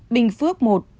bình phước một